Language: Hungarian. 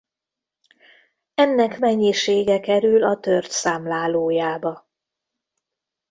Ennek mennyisége kerül a tört számlálójába.